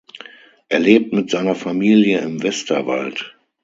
Er lebt mit seiner Familie im Westerwald.